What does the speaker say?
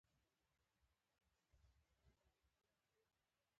ایا ټول نباتات ګلونه لري؟